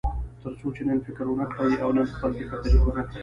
تر څو چې نن فکر ونه کړئ او نن خپل فکر تجربه نه کړئ.